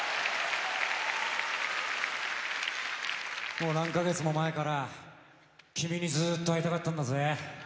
もう何か月も前から君にずっと会いたかったんだぜ。